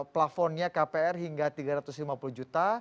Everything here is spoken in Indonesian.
plafonnya kpr hingga tiga ratus lima puluh juta